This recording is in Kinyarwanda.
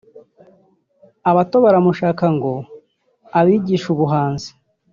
abato baramushaka ngo abigishe ubuhanzi